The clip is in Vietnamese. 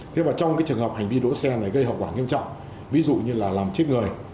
trong trường hợp hành vi đỗ xe này gây hậu quả nghiêm trọng ví dụ như làm chết người